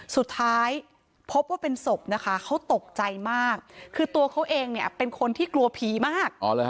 สุดท้ายพบว่าเป็นศพนะคะเขาตกใจมากคือตัวเขาเองเนี่ยเป็นคนที่กลัวผีมาก